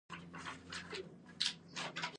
د روم امپراتوري د سړکونو لومړي جوړوونکې وه.